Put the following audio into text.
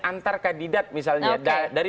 antarkandidat misalnya dari